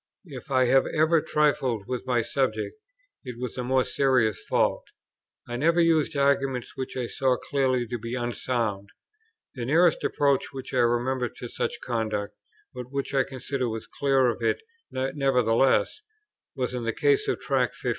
If I have ever trifled with my subject, it was a more serious fault. I never used arguments which I saw clearly to be unsound. The nearest approach which I remember to such conduct, but which I consider was clear of it nevertheless, was in the case of Tract 15.